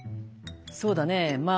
「そうだねぇまあ